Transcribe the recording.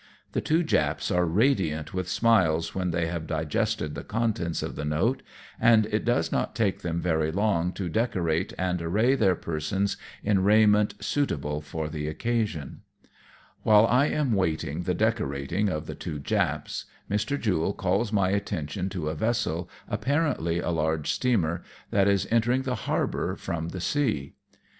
The two Japs are radiant with smiles when they have digested the contents of the note, and it does not take them very long to decorate and array their persons in raiment suitable for the occasion. While I am waiting the decorating of the two Japs, Mr. Jule calls my attention to a vessel, apparently a 2 8o AMONG TYPHOONS AND PIRATE CRAFT. large steamer, that is entering the harbour from the sea.